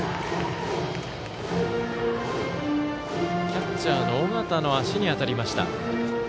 キャッチャーの尾形の足に当たりました。